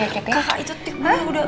kak itu tipnya udah